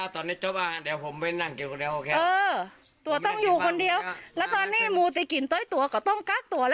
ตัวต้องอยู่คนเดียวแล้วตัวมูลติกินตัวตัวก็ต้องกลับตัวนะ